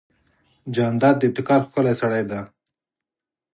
جانداد د ابتکار ښکلی سړی دی.